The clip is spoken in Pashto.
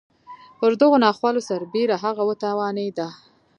پر دغو ناخوالو سربېره هغه وتوانېده.